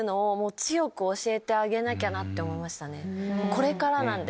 これからなんで。